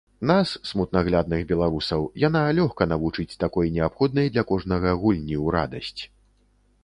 Нас, смутнаглядных беларусаў, яна лёгка навучыць такой неабходнай для кожнага гульні ў радасць.